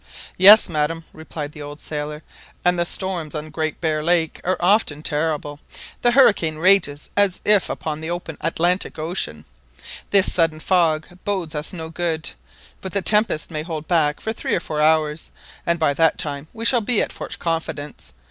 "Yes, madam," replied the old sailor; "and the storms on the Great Bear Lake are often terrible. The hurricane rages as if upon the open Atlantic Ocean. This sudden fog bodes us no good; but the tempest may hold back for three or four hours, and by that time we shall be at Fort Confidence.